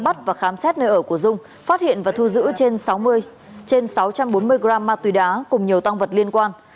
bắt và khám xét nơi ở của dung phát hiện và thu giữ trên sáu trăm bốn mươi gram ma túy đá cùng nhiều tăng vật liên quan